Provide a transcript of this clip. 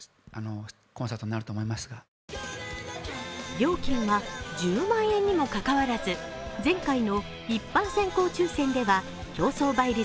料金は１０万円にもかかわらず前回の一般先行抽選では競争倍率